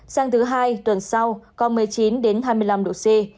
sang thứ hai tuần sau còn một mươi chín hai mươi năm độ c